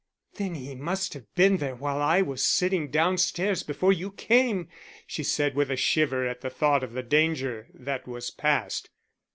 "Then he must have been there while I was sitting downstairs before you came," she said, with a shiver at the thought of the danger that was past.